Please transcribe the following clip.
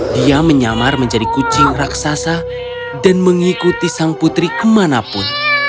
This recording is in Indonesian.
dia menyamar menjadi kucing raksasa dan mengikuti sang putri kemanapun